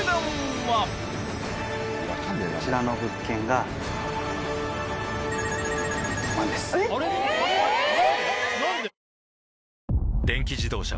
こちらの物件が。え！